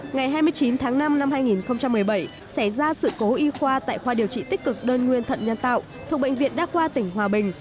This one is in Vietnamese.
ngày hai mươi chín tháng năm năm hai nghìn một mươi bảy xảy ra sự cố y khoa tại khoa điều trị tích cực đơn nguyên thận nhân tạo thuộc bệnh viện đa khoa tỉnh hòa bình